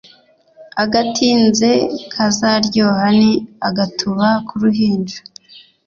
Agatinze kazaryoha ni agatuba k’uruhinja.